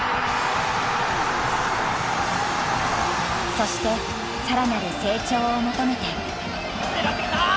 そして更なる成長を求めて。